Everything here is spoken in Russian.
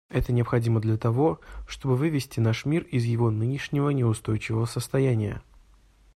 Это необходимо для того, чтобы вывести наш мир из его нынешнего неустойчивого состояния.